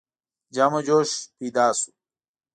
جم و جوش پیدا شو.